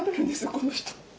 この人。